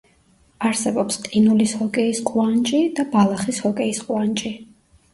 არსებობს ყინულის ჰოკეის ყვანჭი და ბალახის ჰოკეის ყვანჭი.